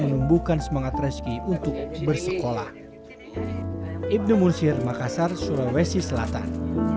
menumbuhkan semangat reski untuk bersekolah ibnu munsir makassar sulawesi selatan